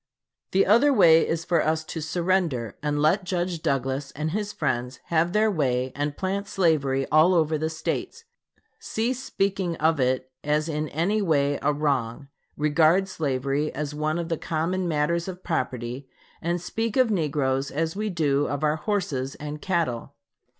The other way is for us to surrender and let Judge Douglas and his friends have their way and plant slavery over all the States; cease speaking of it as in any way a wrong; regard slavery as one of the common matters of property and speak of negroes as we do of our horses and cattle.